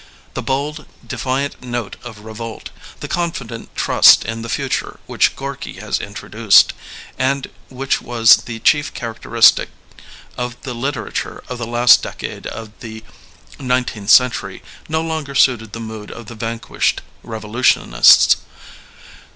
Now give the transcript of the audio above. The bold, defiant note of revolt, the confident trust in the future which Gorky had introduced, and which was the chief characteristic of the literature of the last decade of the nineteenth century no longer suited the mood of the vanquished revolutionists.